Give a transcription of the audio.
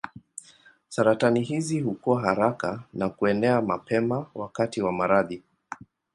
Saratani hizi hukua haraka na kuenea mapema wakati wa maradhi.